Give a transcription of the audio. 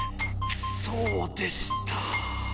そうでした。